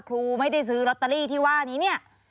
ครูไม่ได้ซื้อลอตเตอรี่ที่ว่านี้เนี่ย